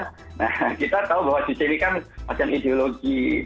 nah kita tahu bahwa juche ini kan macam ideologi korea utara